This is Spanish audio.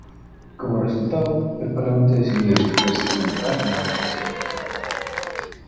Como resultado, el Parlamento decidió disolverse y convocar a nuevas elecciones.